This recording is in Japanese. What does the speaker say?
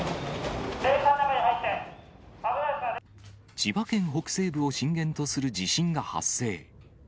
千葉県北西部を震源とする地震が発生。